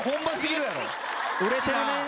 売れてるね。